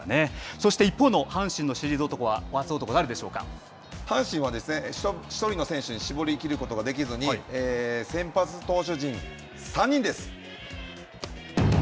そして一方の阪神のシリーズ男は、阪神はですね、１人の選手に絞りきることができずに、先発投手陣、３人です。